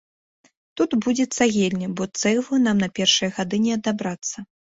Тут будзе цагельня, бо цэглы нам на першыя гады не адабрацца.